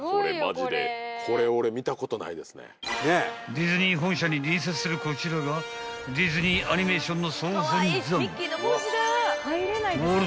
［ディズニー本社に隣接するこちらがディズニー・アニメーションの総本山］